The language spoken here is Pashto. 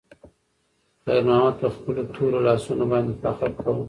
خیر محمد په خپلو تورو لاسونو باندې فخر کاوه.